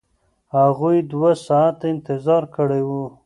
هغوی دوه ساعته انتظار کړی و.